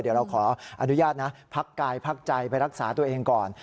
เดี๋ยวเราขออนุญาตนะพักกายพักใจไปรักษาตัวเองก่อน